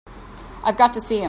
I've got to see him.